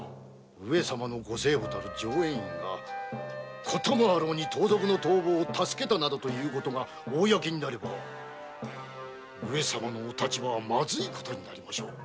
上様ご生母たる浄円院が事もあろうに盗賊の逃亡を助けたなどということが公になれば上様のお立場はまずいことになりましょう。